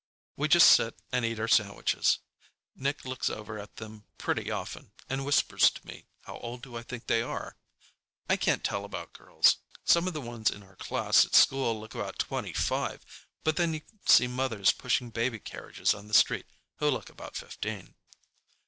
We just sit and eat our sandwiches. Nick looks over at them pretty often and whispers to me how old do I think they are. I can't tell about girls. Some of the ones in our class at school look about twenty five, but then you see mothers pushing baby carriages on the street who look about fifteen.